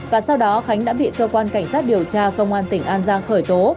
và sau đó khánh đã bị cơ quan cảnh sát điều tra công an tỉnh an giang khởi tố